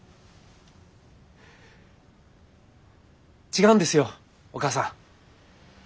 違うんですよお義母さん。